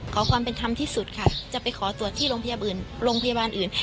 ขอความเป็นธรรมที่สุดค่ะจะไปขอตรวจที่โรงพยาบาลโรงพยาบาลอื่น